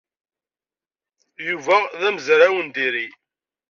Yuba d amezraw n diri.